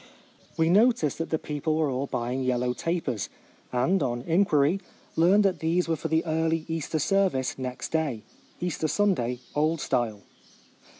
We noticed that the people were all buying yellow tapers, and on inquiry, learnt that these were for the early Easter service next day (Easter Sunday, old style).